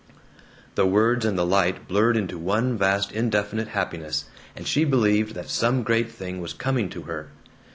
The words and the light blurred into one vast indefinite happiness, and she believed that some great thing was coming to her.